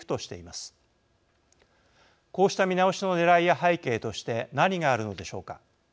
こうした見直しのねらいや背景として何があるのでしょうか。